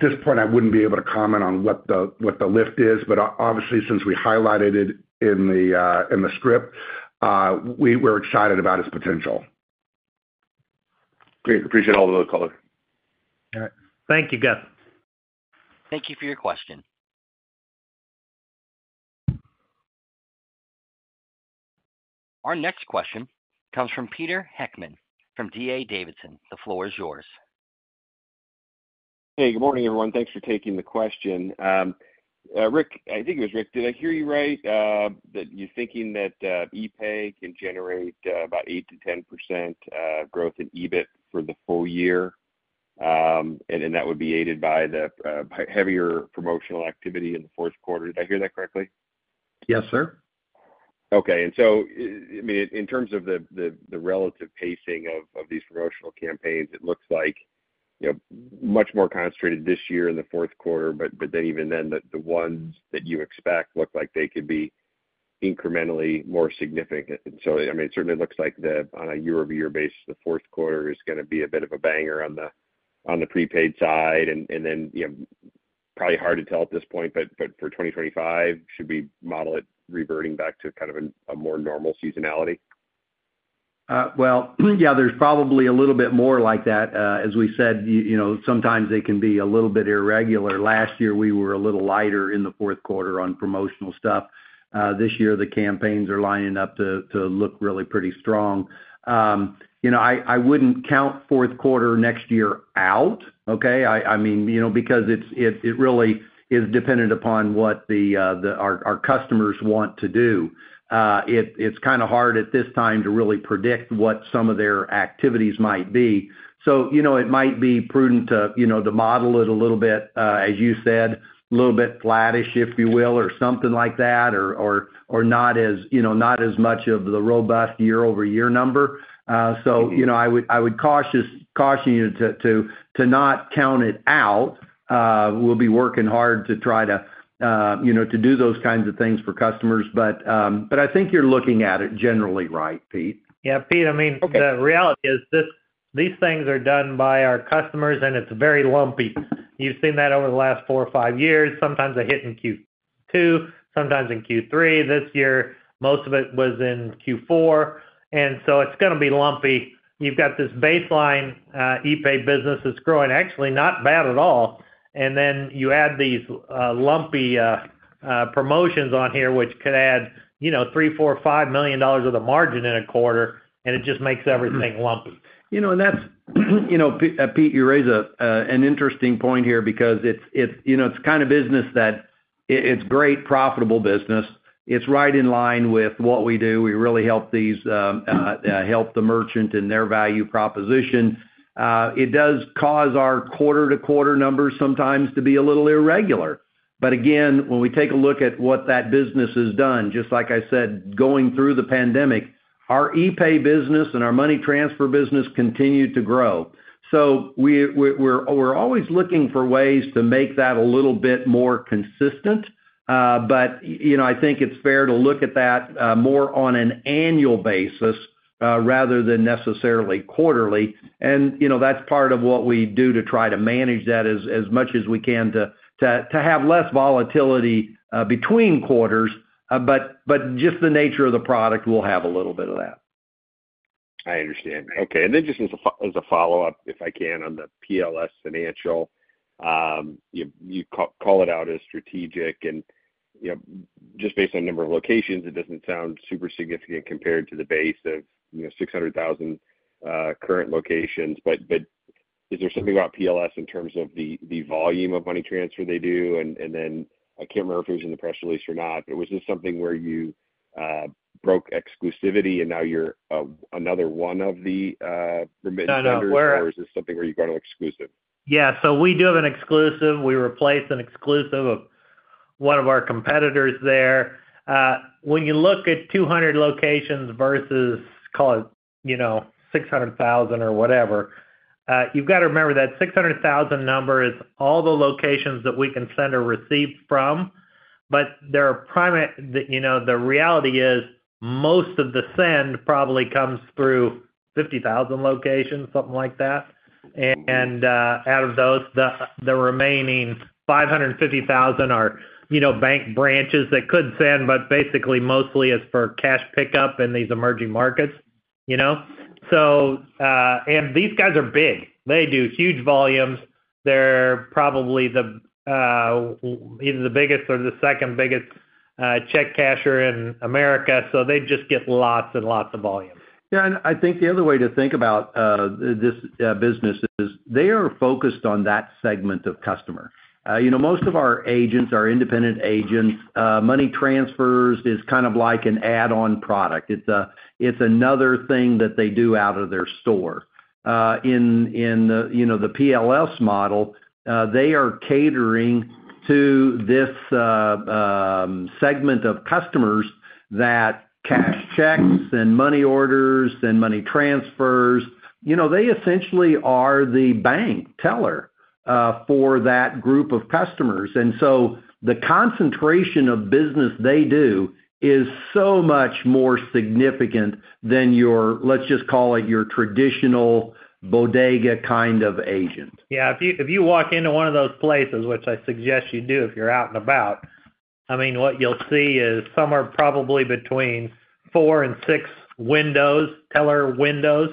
G: this point, I wouldn't be able to comment on what the lift is, but obviously, since we highlighted it in the script, we're excited about its potential.
F: Great. Appreciate all of those color.
D: All right. Thank you, Gus.
C: Thank you for your question. ...
A: Our next question comes from Peter Heckmann from D.A. Davidson. The floor is yours.
H: Hey, good morning, everyone. Thanks for taking the question. Rick, I think it was Rick, did I hear you right, that you're thinking that, epay can generate, about 8%-10% growth in EBIT for the full year, and then that would be aided by the, heavier promotional activity in the fourth quarter. Did I hear that correctly?
C: Yes, sir.
H: Okay. And so I mean, in terms of the relative pacing of these promotional campaigns, it looks like, you know, much more concentrated this year in the fourth quarter, but then even then, the ones that you expect look like they could be incrementally more significant. And so, I mean, it certainly looks like the on a year-over-year basis, the fourth quarter is gonna be a bit of a banger on the prepaid side. And then, you know, probably hard to tell at this point, but for 2025, should we model it reverting back to kind of a more normal seasonality?
C: Well, yeah, there's probably a little bit more like that. As we said, you know, sometimes they can be a little bit irregular. Last year, we were a little lighter in the fourth quarter on promotional stuff. This year, the campaigns are lining up to look really pretty strong. You know, I wouldn't count fourth quarter next year out, okay? I mean, you know, because it really is dependent upon what the our customers want to do. It is kind of hard at this time to really predict what some of their activities might be. So, you know, it might be prudent to, you know, to model it a little bit, as you said, a little bit flattish, if you will, or something like that, or not as much of the robust year-over-year number. So, you know, I would caution you to not count it out. We'll be working hard to try to, you know, to do those kinds of things for customers. But I think you're looking at it generally right, Pete.
D: Yeah, Pete, I mean-
H: Okay.
D: The reality is this, these things are done by our customers, and it's very lumpy. You've seen that over the last four or five years. Sometimes they hit in Q2, sometimes in Q3. This year, most of it was in Q4, and so it's gonna be lumpy. You've got this baseline, epay business that's growing, actually, not bad at all. And then you add these lumpy promotions on here, which could add, you know, $3 million, $4 million, or $5 million of the margin in a quarter, and it just makes everything lumpy.
C: You know, and that's, you know, Pete, you raise an interesting point here because it's, you know, it's kind of business that it's great, profitable business. It's right in line with what we do. We really help these help the merchant and their value proposition. It does cause our quarter-to-quarter numbers sometimes to be a little irregular. But again, when we take a look at what that business has done, just like I said, going through the pandemic, our epay business and our money transfer business continued to grow. So we're always looking for ways to make that a little bit more consistent. But, you know, I think it's fair to look at that more on an annual basis rather than necessarily quarterly. You know, that's part of what we do to try to manage that as much as we can to have less volatility between quarters. But just the nature of the product, we'll have a little bit of that.
H: I understand. Okay. And then just as a follow-up, if I can, on the PLS Financial Services, you call it out as strategic and, you know, just based on number of locations, it doesn't sound super significant compared to the base of, you know, 600,000 current locations. But, but is there something about PLS in terms of the, the volume of money transfer they do? And, and then I can't remember if it was in the press release or not, but was this something where you broke exclusivity and now you're another one of the remittance vendors-
D: No, no. We're-
H: or is this something where you've gone exclusive?
D: Yeah, so we do have an exclusive. We replaced an exclusive of one of our competitors there. When you look at 200 locations versus, call it, you know, 600,000 or whatever, you've got to remember that 600,000 number is all the locations that we can send or receive from, but there are primary, the, you know, the reality is, most of the send probably comes through 50,000 locations, something like that, and out of those, the remaining 550,000 are, you know, bank branches that could send, but basically mostly is for cash pickup in these emerging markets, you know. So and these guys are big. They do huge volumes. They're probably the, either the biggest or the second biggest, check casher in America, so they just get lots and lots of volume.
C: Yeah, and I think the other way to think about this business is they are focused on that segment of customer. You know, most of our agents are independent agents. Money transfers is kind of like an add-on product. It's another thing that they do out of their store. In the, you know, the PLS model, they are catering to this segment of customers that cash checks and money orders and money transfers. You know, they essentially are the bank teller for that group of customers. And so the concentration of business they do is so much more significant than your, let's just call it, your traditional bodega kind of agent.
D: Yeah, if you walk into one of those places, which I suggest you do if you're out and about, I mean, what you'll see is somewhere probably between four and six windows, teller windows,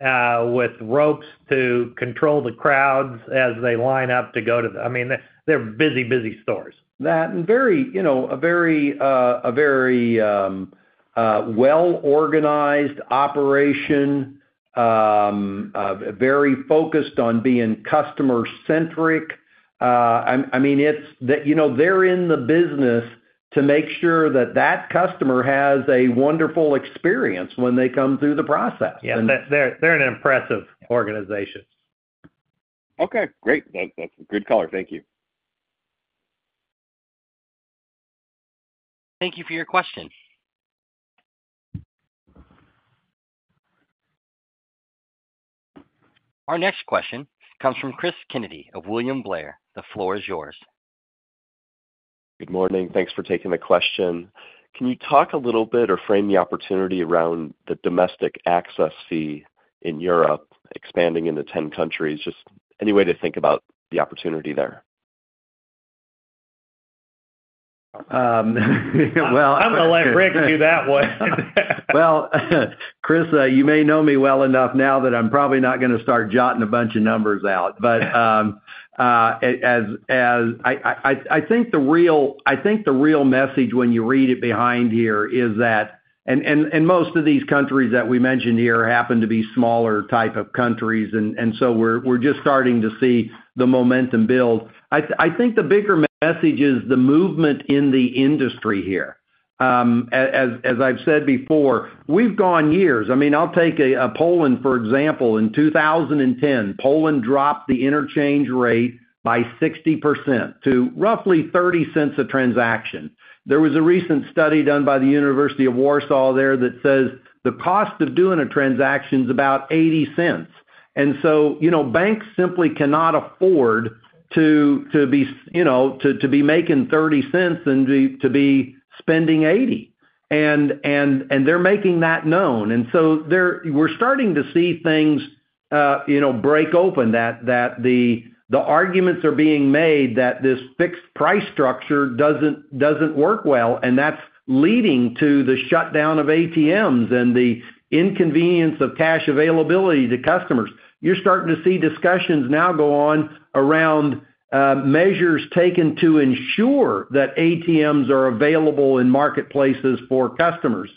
D: with ropes to control the crowds as they line up. I mean, they're busy, busy stores.
C: That, and very, you know, a very well-organized operation. Very focused on being customer-centric. I mean, it's, you know, they're in the business to make sure that that customer has a wonderful experience when they come through the process.
D: Yeah, they're an impressive organization.
H: Okay, great. Thank you. Good color. Thank you.
A: Thank you for your question. Our next question comes from Cris Kennedy of William Blair. The floor is yours.
I: Good morning. Thanks for taking the question. Can you talk a little bit or frame the opportunity around the domestic access fee in Europe, expanding into ten countries? Just any way to think about the opportunity there?
C: Um, well-
D: I'm gonna let Rick do that one.
C: Well, Cris, you may know me well enough now that I'm probably not gonna start jotting a bunch of numbers out. But, I think the real message when you read it behind here is that and most of these countries that we mentioned here happen to be smaller type of countries, and so we're just starting to see the momentum build. I think the bigger message is the movement in the industry here. As I've said before, we've gone years. I mean, I'll take Poland, for example. In 2010, Poland dropped the interchange rate by 60% to roughly $0.30 a transaction. There was a recent study done by the University of Warsaw there that says the cost of doing a transaction is about $0.80. Banks simply cannot afford to be making $0.30 than to be spending $0.80. They're making that known. We're starting to see things break open that the arguments are being made that this fixed price structure doesn't work well, and that's leading to the shutdown of ATMs and the inconvenience of cash availability to customers. You're starting to see discussions now go on around measures taken to ensure that ATMs are available in marketplaces for customers.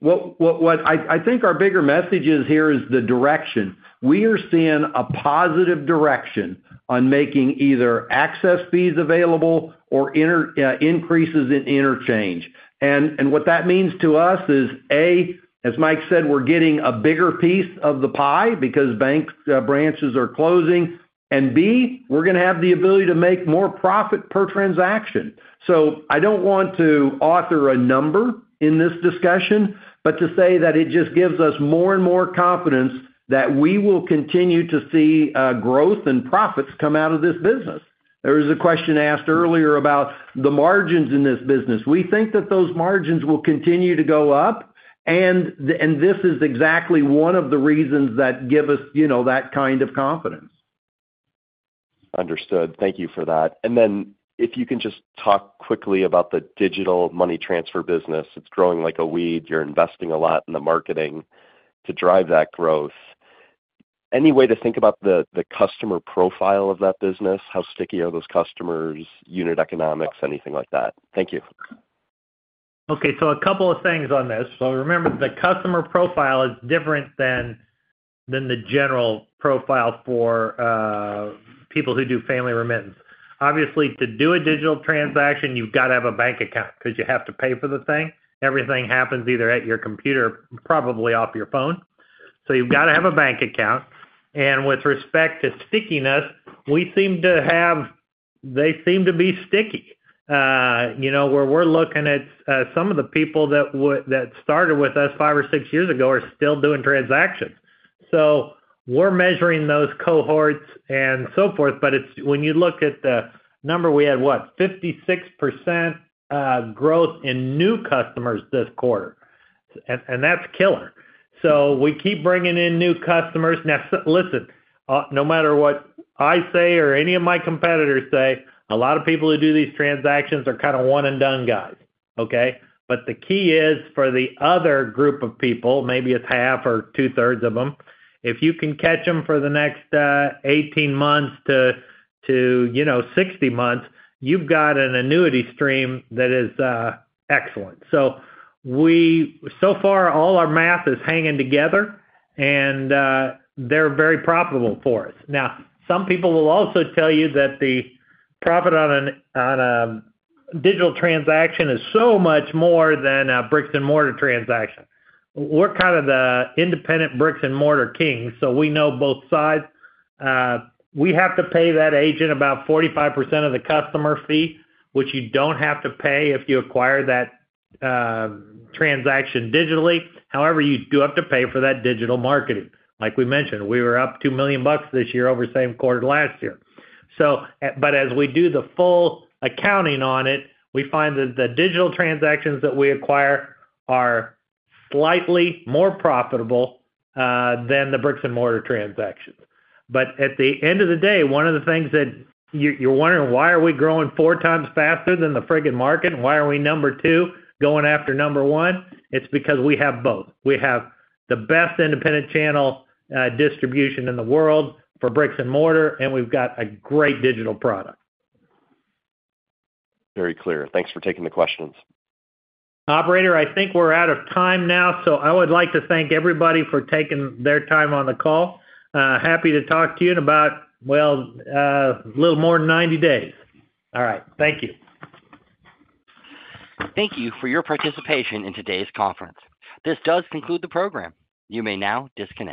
C: What I think our bigger message is here is the direction. We are seeing a positive direction on making either access fees available or increases in interchange. What that means to us is, A, as Mike said, we're getting a bigger piece of the pie because bank branches are closing. And B, we're gonna have the ability to make more profit per transaction. So I don't want to offer a number in this discussion, but to say that it just gives us more and more confidence that we will continue to see growth and profits come out of this business. There was a question asked earlier about the margins in this business. We think that those margins will continue to go up, and this is exactly one of the reasons that give us, you know, that kind of confidence.
I: Understood. Thank you for that. And then, if you can just talk quickly about the digital money transfer business. It's growing like a weed. You're investing a lot in the marketing to drive that growth. Any way to think about the customer profile of that business? How sticky are those customers, unit economics, anything like that? Thank you.
D: Okay, so a couple of things on this. So remember, the customer profile is different than the general profile for people who do family remittance. Obviously, to do a digital transaction, you've got to have a bank account because you have to pay for the thing. Everything happens either at your computer, probably off your phone. So you've got to have a bank account. And with respect to stickiness, we seem to have. They seem to be sticky. You know, where we're looking at some of the people that that started with us five or six years ago are still doing transactions. So we're measuring those cohorts and so forth, but it's. When you look at the number, we had, what? 56% growth in new customers this quarter, and that's killer. So we keep bringing in new customers. Now, listen, no matter what I say or any of my competitors say, a lot of people who do these transactions are kinda one-and-done guys, okay? But the key is for the other group of people, maybe it's half or two-thirds of them, if you can catch them for the next eighteen months to you know, sixty months, you've got an annuity stream that is excellent. So, so far, all our math is hanging together, and they're very profitable for us. Now, some people will also tell you that the profit on a digital transaction is so much more than a bricks-and-mortar transaction. We're kind of the independent bricks-and-mortar kings, so we know both sides. We have to pay that agent about 45% of the customer fee, which you don't have to pay if you acquire that transaction digitally. However, you do have to pay for that digital marketing. Like we mentioned, we were up $2 million this year over the same quarter last year. So, but as we do the full accounting on it, we find that the digital transactions that we acquire are slightly more profitable than the bricks-and-mortar transactions. But at the end of the day, one of the things that you're wondering, why are we growing four times faster than the frigging market? Why are we number two, going after number one? It's because we have both. We have the best independent channel distribution in the world for bricks and mortar, and we've got a great digital product.
I: Very clear. Thanks for taking the questions.
D: Operator, I think we're out of time now, so I would like to thank everybody for taking their time on the call. Happy to talk to you in about a little more than ninety days. All right. Thank you.
A: Thank you for your participation in today's conference. This does conclude the program. You may now disconnect.